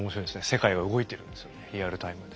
世界は動いてるんですよねリアルタイムで。